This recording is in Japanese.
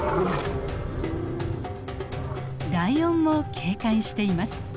ライオンも警戒しています。